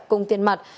cùng tiền mặt